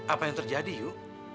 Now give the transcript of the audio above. apa yang terjadi yu